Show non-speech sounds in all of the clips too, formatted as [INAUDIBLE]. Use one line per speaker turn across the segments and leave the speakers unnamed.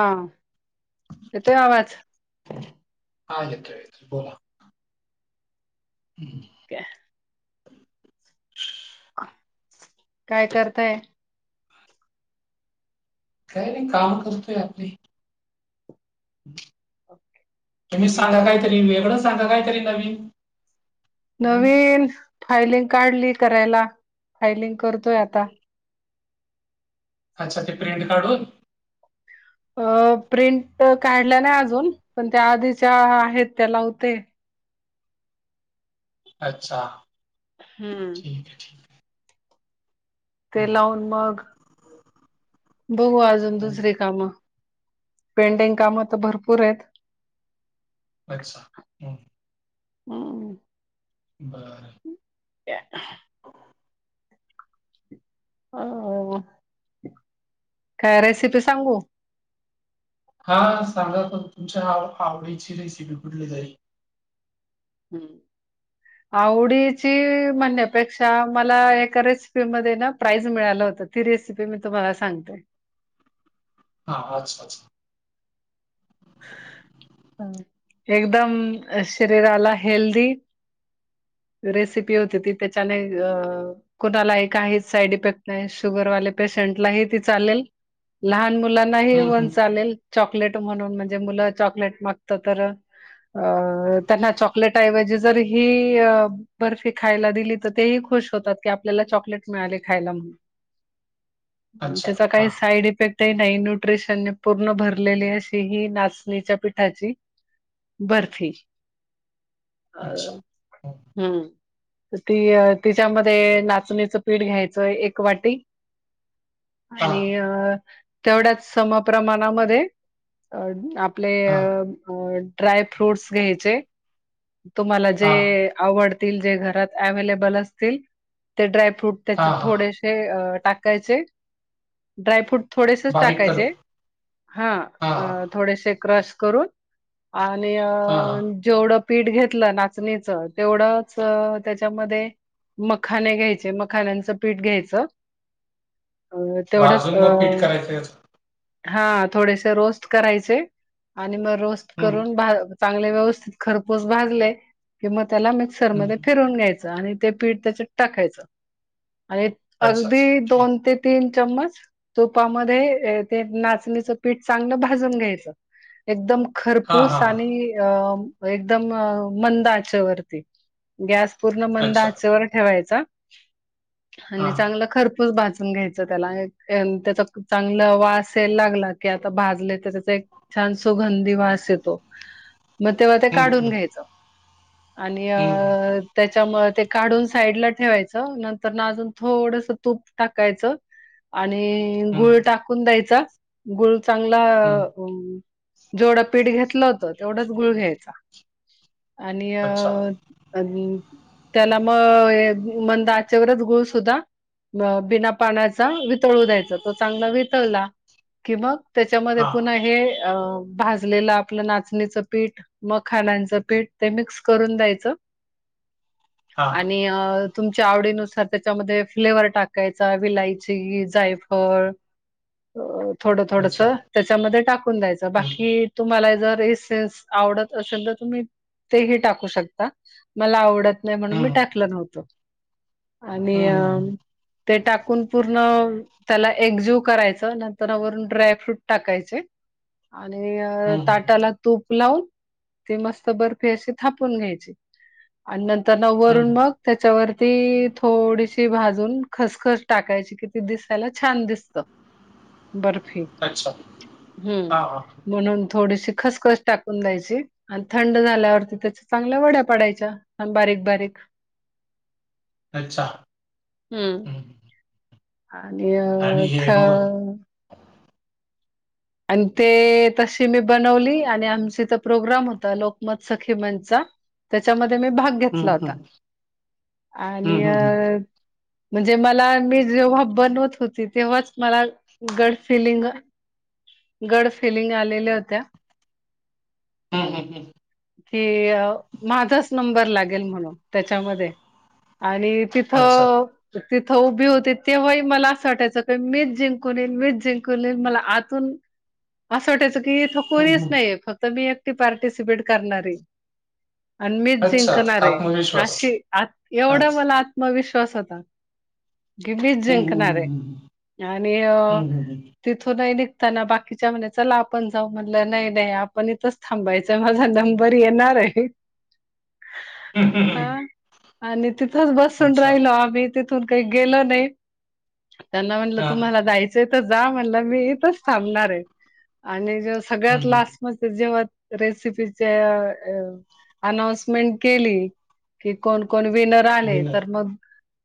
हा, येतोयका आवाज.
हा येतोय येतोय बोला [INAUDIBLE]
[INAUDIBLE] काय करताय
काय नाही काम करतोय आपली. तुम्ही
मी
सांगा
पण
काहीतरी वेगळं सांगा काहीतरी नवीन हं?
नवीन फायलिंग काढली करायला फायलिंग करतोय आता.
अच्छा ते प्रिंट काढून.
अ प्रिंट काढल्या नाही अजून पण त्या आधी ज्या आहेत त्या लावते.
अच्छा.
हम्म.
ठीक आहे ठी आहे.
ते
हं,
लावून मग, बघू अजून
हं.
दुसरीे कामं पेंडिंग काम तर भरपूर आहेत.
अच्छा ह्.
हम्म
[INAUDIBLE]
का?
[INAUDIBLE]
हो, काय रेसिपी सांगू
हा सांगा पण तुमच्या आ आवडीची रेसिपी कुठली तरी.
हम्म आवडीची म्हणण्यापेक्षा मला एका रेसिपीमध्ये ना प्राईज मिळालं होता. ती रेसिपी मी तुम्हाला सांगते.
हा अच्छा अच्छा.
एकदम शरीराला हेल्दी रेसिपी होती ती त्याच्याने अ कुणालाही काहीच साईड इफेक्ट नाही शुगरवाले पेशंटलाही ती चालेल, लहान मुलां ना
हं, हं.
होन चालेल चॉकलेट म्हणून म्हणजे मुलं चॉकलेट मागत तर अ त्यांना चॉकलेटऐवजी जर ही बर्फी खायला दिली तर तेही खुश होतात की आपल्याला चॉकलेट मिळाले खायला म्हणून.
अच्छा.
त्याचा काही
हां.
साईड इफेक्ट ते नाही न्यूट्रिशन पूर्ण भरलेली अशी ही नाचणीच्या पिठाची- - बर्फी.
अच्छा. हं.
हम्म ती तिच्यामध्ये नाचणीचं पीठ घ्यायचं एक वाटी.
हां,
आणि अ तेवढ्याच सम प्रमाणामध्ये अ आपले अ
हां, हां.
अ ड्रायफ्रुटस घ्यायचे. तुम्हाला जे
हां,
आवडतील जे घरात एव्हेलेबल असतील ते ड्रायफ्रूट त्याच
हां, हां.
थोडेसे टाकायचे. ड्रायफ्रूट थोडेसच
बारीक करून.
टाकायचे, हां थोडेसे क्रश करून. आणि
हां, हां.
अं जेवढं पीठ घेतलं नाचणीच तेवढंच त्याच्यामध्ये मखाने घ्यायचे, मखाण्यांचं पीठ घ्यायचं. अं तेवढंच
भाजून मग पीठ
अं
करायचं याचं.
हां थोडेसे रोस्ट करायचे आणि मग रोस्ट
हं,
करून भा चांगले व्यवस्थित खरपोस भाजले किम त्याला
हं.
मिक्सरमध्ये फिरवून घ्यायचं आणि ते पीठ त्याच्यात टाकायचं आणि
अच्छा, अच्छा.
अगदी
ठीक.
दोन ते तीन चम्मच तुपामध्ये ते नाचणीचं पीठ चांगलं भाजून घ्यायचं. एकदम
हां,
खरपूस
हां, हां.
आणि अं एकदम अं मंद आचेवरती. गॅस पूर्ण मंद
अच्छा.
आचेवर ठेवायचा
हा.
आणि चांगला खर पूस भाजून घ्यायचं त्याला एन त्याचा चांगलं वास यायला की आता भाजले तेज्यात ते एक छान सुगंधी वास येतो, मग तेव्हा ते
हं,
काढून
हं,
घ्यायचं. आणि
हं, हं,
अं त्याच्यामुळे ते काढून साईडला ठेवायचं नंतरना अजून थोडस तूप टाकायचं. आणि
हं,
गुळ टाकून द्यायचा, गुळ चांगला
हं.
आं म जेवढं पीठ घेतलं होतं तेवढच गुळ घ्यायचा.
अच्छा.
यत आणि त्याला मग मंद आचेवरच गूळ सुद्धा ब बिना पाण्याचा वितळू द्यायचा, तो चांगला वितळला कि मग त्याच्यामध्ये
हां,
पुन्हा हे अ भाजलेलं आपलं नाचणीचं पीठ माखाण्यांचं खाण्यांचं पीठ ते मिक्स करून द्यायचं
हां.
आणि अं तुमच्या आवडीनुसार त्याच्यामध्ये फ्लेवर टाकायचा विलायची, जायफळ अ थोडं थोडस
अच्छा.
त्याच्यामध्ये टाकून द्यायचं
हं,
बाकी तुम्हाला जर ईसेन्स आवडत असेल तर तुम्ही तेही टाकू शकता, मला आवडत नाही म्हणून मी
हं,
टाकलं नव्हतं. आणि
हं,
अ
हं, हं,
ते टाकून पूर्ण त्याला एकजीव करायचं नंतरना वरून ड्रायफ्रूट टाकायचे. आणि
हं,
ताटाला तूप लावून ते मस्त बर ते असे थापून घ्यायचे आणि नंतरन
हं,
वरून मग
हं.
त्याच्यावरती थोडीशी भाजून खसखस टाकायची कि ती दिसायला छान दिसत. बर्फी
अच्छा
हम्म.
हां हां.
म्हणून थोडीशी खसखस टाकून द्यायची आणि थंड झा थापल्यावरती त्याच्या चांगल्या वड्या पडायच्या आण बारीक बारीक
अच्छा
हम्म.
हं हं.
आणि अ
हे
थ
बघ
आणि ते तस ते मी बनवली आणि आमचहीत प्रोग्राम होता लोकमत सखी मंचचा. त्याच्यामध्ये मी भाग
हं,
घेतला
हं,
होता
हं,
आणि अ
हं, हं,
म्हणजे मला मी जेव्हा बनवत होती तेव्हाच मला गड फिलिंग गड फिलिंग आलेल्या होत्या,
हं हं हं
कि माझाच नंबर लागेल म्हणून त्याच्यामध्ये आणि
अच्छा.
तिथं तिथं उभी होते तेव्हाही मला असं वाटायचं का, मीच जिंकून येईन, मीच जिंकून येईन मला अजून असं वाटायचं की, इथं
हं,
कोणीच
हं.
नाहीेये फक्त मी एकटी पार्टिसिपेट करणार आहे. आणि मीच
अच्छा,
जिंकणार आहे
आत्मविश्वास.
अशी आ एवढं
अच्छा.
मला आ त्मविश्वास होता. की, मीच
हं,
जिंकणार
हं,
येआणि अ
हं, हं, हं, हं,
तिथून नही निघताना बाकी कीच्या म्हणे चला आपण जाऊ म्हणलं, नाही- नाही आपण इथंच थांबायचंय माझा नंबर येणार आहे.
हं, हं, हं.
हा आणि तिथच बसून
अच्छा.
राहिलो आम्हीं. तिथून काही गेलं नाही, त्यांना म्हटलं
हां.
तुम्हांला जाय चे तर जा म्हणलं मी इथंच थांबणार आहे आणि जेव्हा सगळ्यात
हं, हं.
लास्ट मग ते जेव्हा रेसिपीच्या अनाऊन्समेंट केली, कि कोण- कोण विनर आले
विनय.
तर मग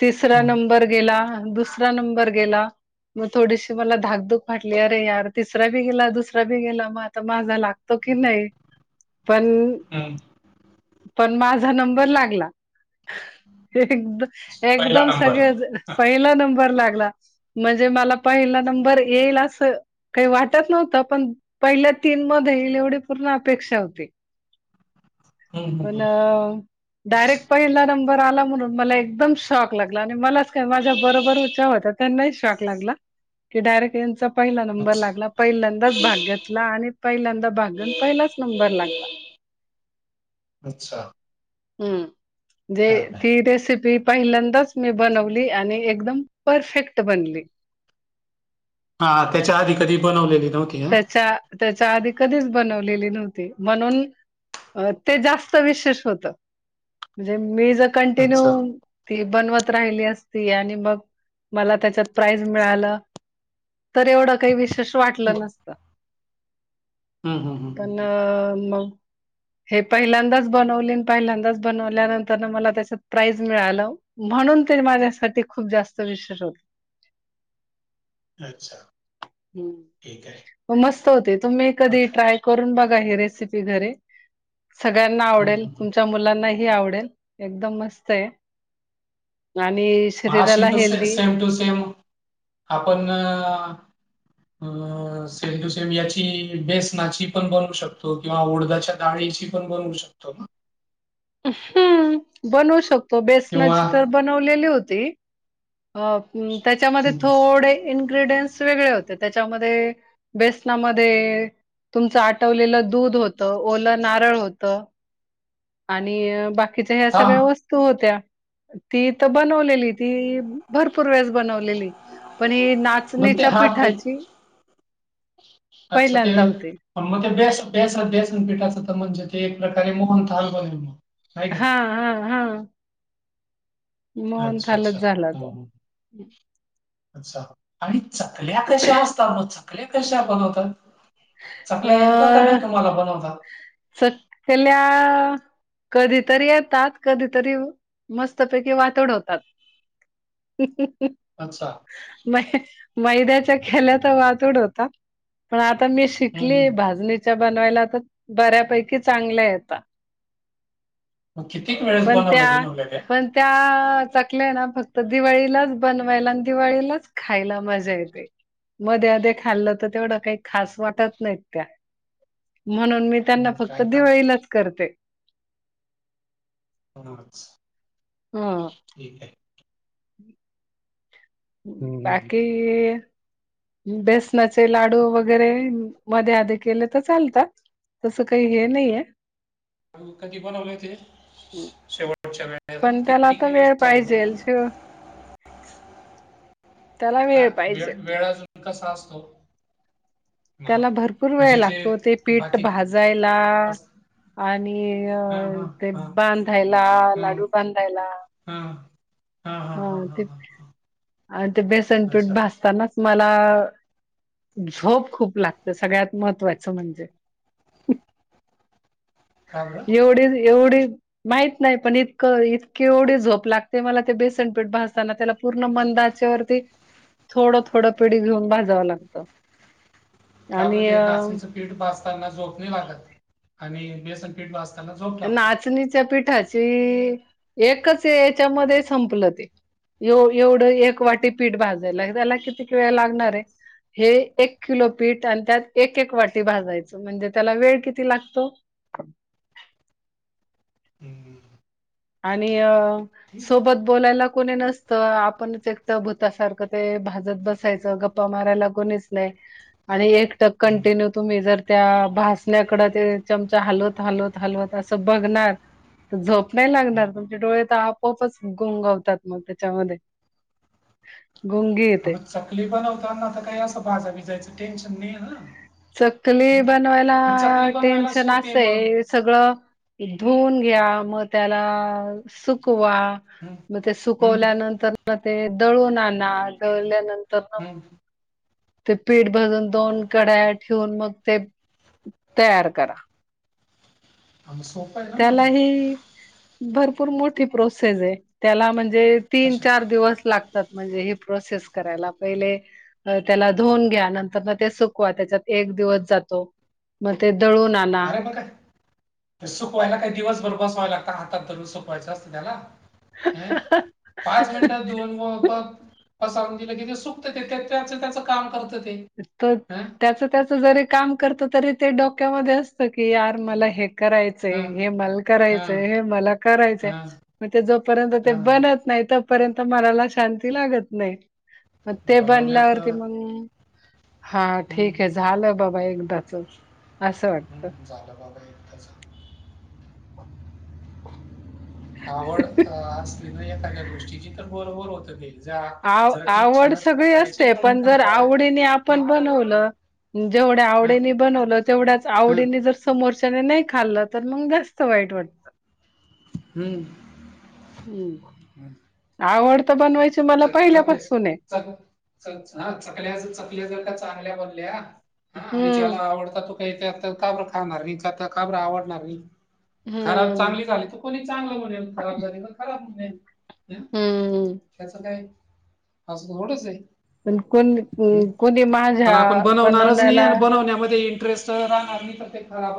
तिसरा
हं,
नंबर गेला, दुस रा नंबर गेला, मग थोडीशी मला धाकधूक वाटली अरे यार तिसरा बी गेला, दुसरा बी गेला मग आता माझा लागतो की नाही पण,
हं.
पण माझा नंबर लागला. एकद
पहिला
एकदम
नंबर.
सगळेजण पहिला नंबर लागला, म्हणजे मला पहिला येईल असं काही वाटत नव्हतं, पण पहिल्या तीन मध्ये येईल एवढी पूर्ण अपेक्षा होती.
हं, हं,
पण
हं.
डायरेक्ट पहिला नंबर आला म्हणून मला एकदम शॉक लागला आणि मलाच च काय माझ्या बरोबरीच्या होत्या त्यांना शाॅक लागला की डायरेक्ट यांचा पहिला नंबर
अच्छा.
लागला, पहिल्यांदाच भाग घेतला आणि पहिल्यांदा भाग घेऊन, पहिलाच नंबर लागला.
अच्छा.
हं जे
हां, नाही.
ती रेसिपी पहिल्यांदाच मी बनवली आणि एकदम परफेक्ट बनली.
हा त्याच्या आधी कधी बनवलेली नव्हती? हां?
त्याच्या, त्याच्या आधी कधीच बनवलेली नव्हती म्हणून अ ते जास्त विशेष होतं म्हणजे मी जर कंटिन्यू
अच्छा.
ती बनवत राहिली असती आणि मग मला त्याच्यात प्राईज मिळालं तर एवढं काही विशेष
हं,
वाटलं नसतं.
हं, हं, हं, हं,
पण मग, हे पहिल्यांदाच बनवली अन् पहिल्यांदाच बनवल्यानंतरनं मला त्याच्यात प्राईज मिळालं. म्हणून ते माझ्यासाठी खूप जास्त विशेष होतं.
अच्छा, ठीक आहे.
हो, मस्त होते तुम्ही
गुड.
कधी ट्राय करून बघा हे रेसिपी घरी. सगळ्यांना
हं,
आवडेल,
हं, हं.
तुमच्या मुलांनाही आवडेल. एकदम मस्त आहे आणि
म
शरीराला
अशीत
हेल्दी
सेम टू सेम आपण अ सेम टू सेम याची बेसनाची पण बनवू शकतो. किंवा उडदाच्या डाळीची पण बनवू शकतो ना?
हं हं बनवू शकतो,
किंवा
बेसनाचे तर बनवलेले होते हो त्याच्यामध्ये
हं,
थोडे इन्ग्र्रीडियंट्स वेगळे होते, त्याच्यामध्ये बेसनामध्ये तुमचं आटवलेलं दूध होतं, ओलं नारळ होतं, आणि बाकीच्या ह्या
हां,
सगळ्या वस्तू होत्या, ती इथं बनवलेली ती भरपूर वेळेस बनवलेली, पण ही
मग ते
नाचणीच्या
हां, ते
पिठाची पहिल्यांदा होते.
प मग ते बेस बेसन बेसन पीठाच तर म्हणजे ते एक प्रकारे मोहनथाल बनवीते.
हा हा हा.
अच्छा अच्छा
मोहनथालच
अच्छा
झाला तो
हम्म. अच्छा, आणि चकल्या कश्या असतात चकल्या कशा बणवतात.?
अं
बनवता?
चकल्या कधीतरी येतात,, कधीतरी मस्तपैकी वातड होतात. हं हं हं.
अच्छा.
म मैद्याच्या केल्या तर वातुड होता, पण आ आता मी
हं,
शिकलीय
हं.
भाजणीच्या बनवायला तर, बऱ्यापैकी चांगल्या येता.
मग किती वेळ
पण त्या पण त्या चकल्या ना, फक्त दिवाळीलाच बनवायला आणि दिवाळीलाच खायला मजा येते. मध आध खाल्लं तर तेवढं काही खास वाटत नाहीत त्या, म्हणून मी त्यांना
मग
फक्त
काय काम?
दिवाळीलाच करते.
होच.
हां.
ठीकाय. हम्म.
बाकी बेसनाचे लाडू वगैरे मध्ये आधी केले तर चालतात. तसं काही हे नाहीये.
कधी बणवले होते, शेवटच्या वेळेला,
पण त्याला
किेती
आता
दिवस
वेळ
झाले
पाहिजेल
बनवून?
शिव त्याला
का वेळ,
पाहिजे
वेळ अजून कसा असतो? ना.
त्याला भरपूर वेळ लागतो, ते पीठ
बाकी
भाजायला
कस
आणि
हां, हां,
ते
हां.
बांधायला,
हं.
लाडू बांधायला.
हां. हां, हां,
हा
हां, हां,
ते,
हां.
आणि ते बेसन पीठ
अच्छा.
भाजताना मला, झोप खूप लागते सगळ्यात महत्वाचं म्हणजे.
का बरं?
एवढे एवढी माहित नाही पण इतकं इतके एवढे झोप लागते मला ते बेसनपेठ भाजताना त्याला पूर्ण मंद आचेवरती थोडं थोडं पिड घेऊन भाजावं लागतं.
का बरं
आणि
ते
अ
नाचणीचं पीठ भाजताना झोप नै लागत आणि बेसन पीठ भाजताना झोप लागते
नाचणीच्या पिठाचे, एकच याच्यामध्ये संपलं ते. एवढं एक वाटी पिट भाजायला त्याला कितीक वेळ लागणार य. हे एक किलो पीठ आणि त्यात एक एक वाटी भाजायचं, म्हणजे त्याला वेळ किती लागतो.
हम्म हम्म.
आणि अ सोबत बोलायला कोणी नसतं आपणच एकट भूतासारखं ते भाजत बसायचं गप् पा मारायला कोणीच नाही. आणि एकटक
हम्म,
कंटिन्यू तुम्ही जर त्या भासण्याकडे ते चमचा हलवत हालवत हलवत असं बघणार ते झोप नाही
हम्म.
लागणार तुमचे डोळे तर आपोआपच गुंगवतात मग त्याच्यामध्ये. गोंगी
हा,
येते.
मग चकली पण होवताना आता काही असं भाजा बिजायचं टेन्शन नाही आहे ना.
चकली
हं?
बनवायला
मग चकली बनवायला
टेन्शन
सोपी आहे मग
असाय सगळं
हं?
धुवून घ्या मग त्याला सुकवा
हं?
म ते
हं?
सुकवल्यानंतर मग ते दळून आणा दळल्यानंतर
हं?
ते पीठ भजून दोन कड्या ठेऊन मग ते तयार करा.
हा, मग सोपं आहे ना मग
त्याला हे भरपूर मोठी प्रोसेस आहे त्याला म्हणजे तीन,
कशा
चार दिवस लागत तात म्हणजे हे प्रोसेस करायला म्हणजे पहिले धुवून घ्या नंतर न ते सुकवा तेच्यात एक दिवस जातो मग ते दळून आण
अरे म काय सुकवायला काही दिवसभर बसवाय लागत हातात धरून सुकवायचं असतं त्याला. हे पाच मिनटात धुवून ब होतात पसारून दिल की [UNINTELLIGIBLE] तेच त्याच काम करत ते.
तर
हं?
त्याच त्याच जरी काम करतो तरी ते डोक्यामध्ये असत की यार मला हे कराय
हं?
हे मला
हं.
करायचंय हे मला करायचंय
हा
मग ते जोपर्यंत ते
हा
बनत नाही तोपर्यंत मनाला शांती लागत नाही मग ते
बनवण्यात
बनल्यावरती मग हा ठीक आहे झालं बाबा एकदाच. असं वाटतं
झालं बाबा एकदाच. आवड असली ना एखाद्या गोष्टीची तर बरभर होत ते. जा
आव
जर ती इच्छा
आवड
नसेल
सगळी
करायची
असते
तर मग
पण जर
कंटाळा येतो
आवडीने
ह
आपण बनवलं जेवढ्या
ह
आवडीनी बनवलं तेवढ्याच
ह
आवडीनी जर समोरच्याने नाही खाल्लं तर मग जास्त वाईट वाटत.
हम्म
हम्म आवड तर बनवायच
चकल्या च ह चकल्या चकल्या जर का चांगल्या बनल्या हा आणि ज्याला
हम्म
आवडता तो काही ते आता का बरं खाणार मी आता का बरं आवडणार मी खराब
हम्म
चांगली झाली त कोणी चांगलं म्हणेल खराब झाली तर खराब म्हणेल.
हम्म
त्याच काय असं एवढंच
पण कोण
आहे.
कोणी
पण
माझ्या
आपण बनणारच नाहीये
बनवण्याला
आणि बनण्यामध्ये इंटरेस्ट च जरा आम्ही ते खराब